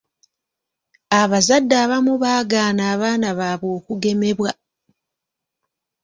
Abazadde abamu baagaana abaana baabwe okugemebwa.